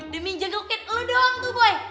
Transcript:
demi jengukin lo doang tuh boy